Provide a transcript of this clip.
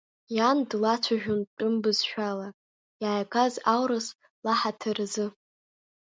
Иан длацәажәон тәым бызшәала, иааигаз аурыс лаҳаҭыр азы.